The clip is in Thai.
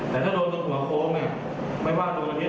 แต่ถ้าขนาดแบบนี้